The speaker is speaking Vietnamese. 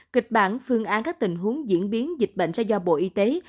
kịch bản phương án các tình huống diễn biến dịch bệnh sẽ do bộ y tế